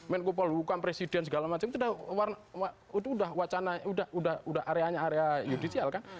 menkupal hukum presiden segala macam itu udah wacana udah udah area area judicial kan